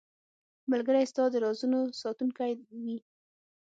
ملګری ستا د رازونو ساتونکی وي.